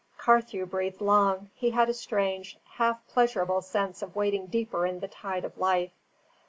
Carthew breathed long; he had a strange, half pleasurable sense of wading deeper in the tide of life.